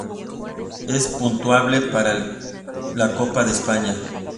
Es puntuable para la Copa de España.